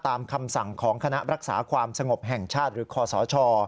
คำสั่งของคณะรักษาความสงบแห่งชาติหรือคอสช